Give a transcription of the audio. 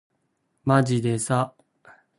まじでさ